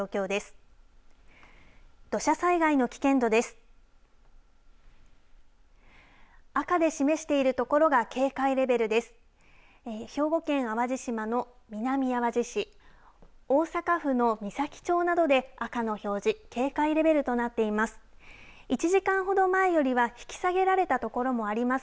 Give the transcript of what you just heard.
大阪府の岬町などで赤の表示、警戒レベルとなっています。